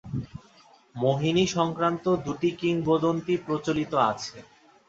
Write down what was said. মোহিনী-সংক্রান্ত দুটি কিংবদন্তি প্রচলিত আছে।